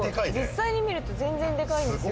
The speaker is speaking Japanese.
実際に見ると全然デカいんですよ。